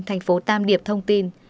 thành phố tam điệp thông tin